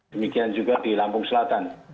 demikian juga di lampung selatan